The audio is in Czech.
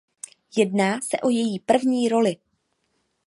Jedná se o její první roli.